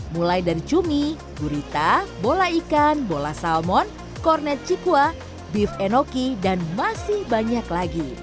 mulai dari cumi gurita bola ikan bola salmon kornet cikua beef enoki dan masih banyak lagi